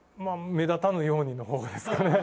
「目立たぬように」の方ですかね。